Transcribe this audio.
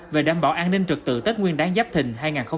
về đảm bảo an ninh trực tự tết nguyên đáng giáp thình